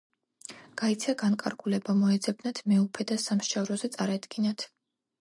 გაიცა განკარგულება, მოეძებნათ მეუფე და სამსჯავროზე წარედგინათ.